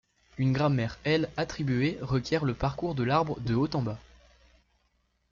Une grammaire L-attribuée requiert le parcours de l'arbre de haut en bas.